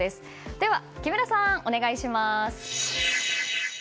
では木村さん、お願いします。